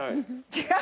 違う！